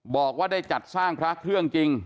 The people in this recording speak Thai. บอกว่าได้จัดสร้างพระเครื่องจริง